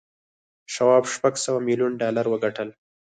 شواب شپږ سوه میلیون ډالر وګټل